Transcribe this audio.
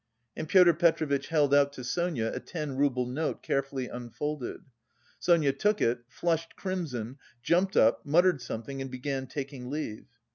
And Pyotr Petrovitch held out to Sonia a ten rouble note carefully unfolded. Sonia took it, flushed crimson, jumped up, muttered something and began taking leave.